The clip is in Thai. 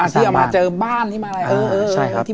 ที่เอามาเจอบ้านที่มาละครับสวดที่บ้านนี่